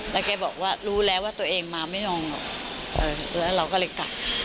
แล้วแกบอกว่ารู้แล้วว่าตัวเองมาไม่ลงหรอกแล้วเราก็เลยกลับ